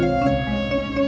bapak juga begitu